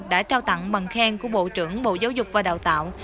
đã trao tặng bằng khen của bộ trưởng bộ giáo dục và đào tạo